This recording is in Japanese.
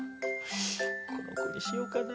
この子にしようかな？